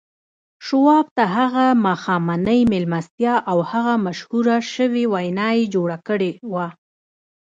شواب ته هغه ماښامنۍ مېلمستیا او هغه مشهوره شوې وينا يې جوړه کړې وه.